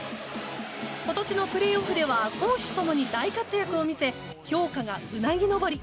今年のプレーオフでは攻守共に大活躍を見せ評価がうなぎ登り。